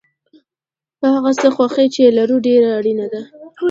په هغه څه خوښي چې لرو ډېره اړینه ده.